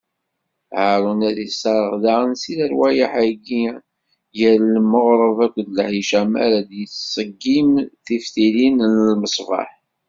Haṛun ad isserɣ daɣen si lerwayeḥ-agi gar lmeɣreb akked lɛica, mi ara yettṣeggim tiftilin n lmeṣbaḥ.